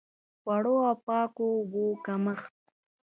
خوړو او پاکو اوبو د کمښت.